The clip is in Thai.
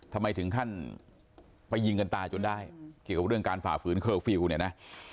ถึงขั้นไปยิงกันตายจนได้เกี่ยวกับเรื่องการฝ่าฝืนเคอร์ฟิลล์เนี่ยนะ